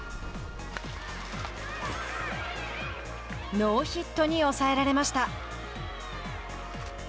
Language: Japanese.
ノーヒットに抑えられました。